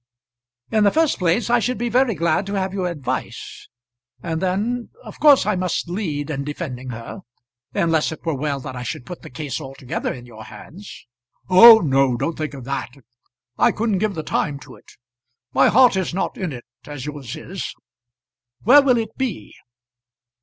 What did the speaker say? "In the first place I should be very glad to have your advice; and then . Of course I must lead in defending her, unless it were well that I should put the case altogether in your hands." "Oh no! don't think of that. I couldn't give the time to it. My heart is not in it, as yours is. Where will it be?"